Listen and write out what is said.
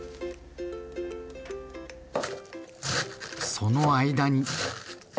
その間に。